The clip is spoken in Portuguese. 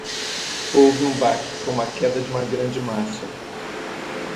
Houve um baque como a queda de uma grande massa.